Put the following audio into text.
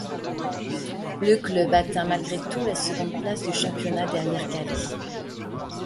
Le club atteint malgré tout la seconde place du championnat derrière Calais.